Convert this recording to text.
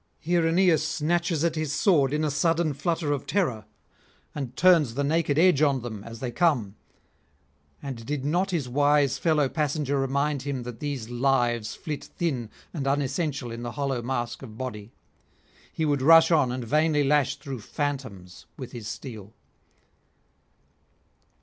Here Aeneas snatches at his sword in a sudden flutter of terror, and turns the naked edge on them as they come; and did not his wise fellow passenger remind him that these lives flit thin and unessential in the hollow mask of body, he would rush on and vainly lash through phantoms with his steel.